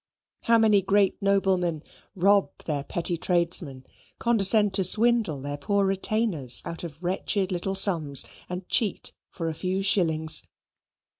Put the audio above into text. how many great noblemen rob their petty tradesmen, condescend to swindle their poor retainers out of wretched little sums and cheat for a few shillings?